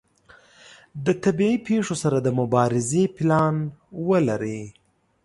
د طبیعي پیښو سره د مبارزې پلان ولري.